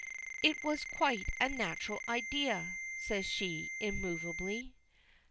"It was quite a natural idea," says she, immovably.